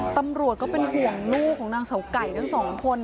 ตำรวจก็เป็นห่วงลูกของนางเสาไก่ทั้งสองคน